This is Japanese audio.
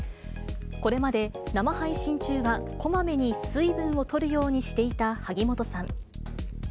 これまで、生配信中はこまめに水分をとるようにしていた萩本さん。